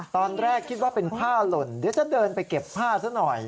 ตอนแรกคิดว่าเป็นผ้าหล่นเดี๋ยวจะเดินไปเก็บผ้าซะหน่อย